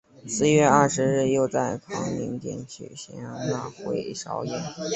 四月二十日又在康宁殿举行了会酌宴。